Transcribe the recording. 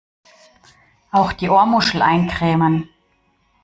Auch die Ohrmuschel eincremen!